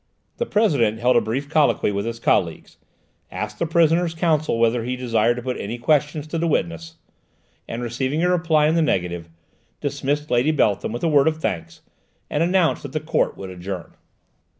The President held a brief colloquy with his colleagues, asked the prisoner's counsel whether he desired to put any questions to the witness, and, receiving a reply in the negative, dismissed Lady Beltham with a word of thanks, and announced that the Court would adjourn.